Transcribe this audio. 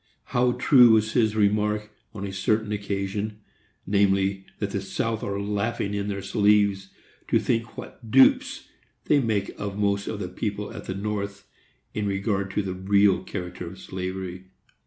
How true was his remark, on a certain occasion, namely, that the South are laughing in their sleeves, to think what dupes they make of most of the people at the North in regard to the real character of slavery!